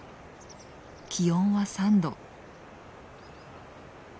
気温は３度。